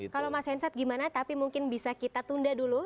kalau mas hensat gimana tapi mungkin bisa kita tunda dulu